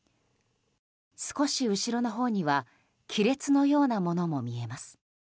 少し後ろのほうには亀裂のようなものも見えます。